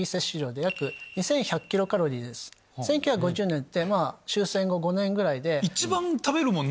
１９５０年って終戦後５年ぐらい。